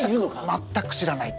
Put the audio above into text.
全く知らない。